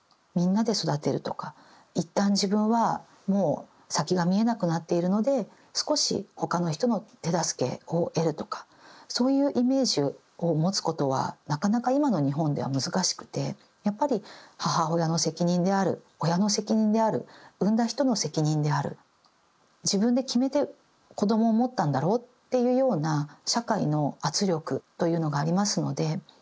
みんなで育てるとか一旦自分はもう先が見えなくなっているので少し他の人の手助けを得るとかそういうイメージを持つことはなかなか今の日本では難しくてやっぱり母親の責任である親の責任である産んだ人の責任である自分で決めて子どもを持ったんだろうっていうような社会の圧力というのがありますので。